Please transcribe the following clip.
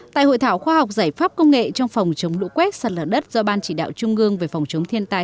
tại hội thảo khoa học giải pháp công nghệ trong phòng chống lũ quét sạt lở đất do ban chỉ đạo trung ương về phòng chống thiên tai